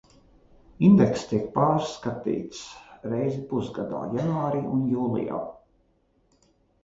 Indekss tiek pārskatīts reizi pusgadā – janvārī un jūlijā.